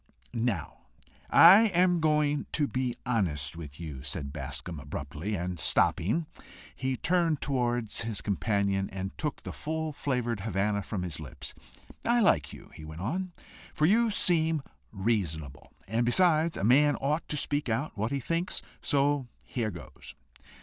"Now, I am going to be honest with you," said Bascombe abruptly, and stopping, he turned towards his companion, and took the full flavoured Havannah from his lips. "I like you," he went on, "for you seem reasonable; and besides, a man ought to speak out what he thinks. So here goes!